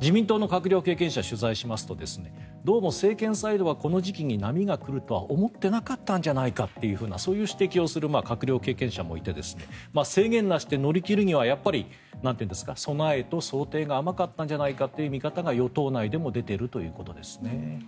自民党の閣僚経験者を取材するとどうも政権サイドはこの時期に波が来るとは思っていなかったんじゃないかというそういう指摘をする閣僚経験者もいて制限なしで乗り切るのは備えと想定が甘かったんじゃないかという見方が与党内でも出ているということですね。